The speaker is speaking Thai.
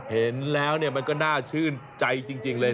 เห็นแล้วมันก็น่าชื่นใจจริงเลย